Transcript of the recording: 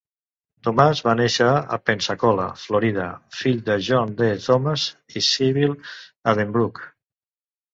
Thomas va nàixer a Pensacola, Florida, fill de John D. Thomas i Sybyl Addenbrooke.